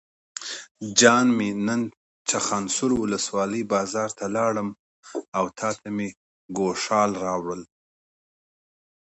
جان مې نن چخانسور ولسوالۍ بازار ته لاړم او تاته مې ګوښال راوړل.